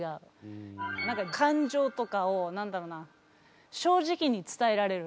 何か感情とかを何だろうな正直に伝えられる。